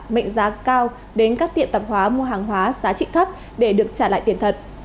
mệnh giá cao đến các tiệm tạp hóa mua hàng hóa giá trị thấp để được trả lại tiền thật